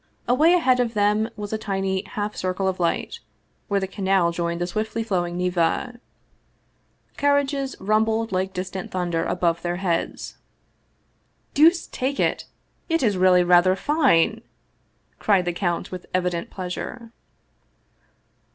Away ahead of them was a tiny half circle of light, where the canal joined the swiftly flowing Neva. Carriages rumbled like distant thunder above their heads. " Deuce take it! it is really rather fine! " cried the count, with evident pleasure.